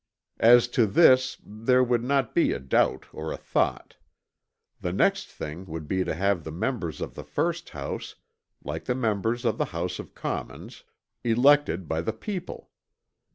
As to this there would not be a doubt or a thought. The next thing would be to have the members of the first house, like the members of the House of Commons, elected by the people.